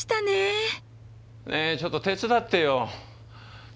ねえちょっと手伝ってよ。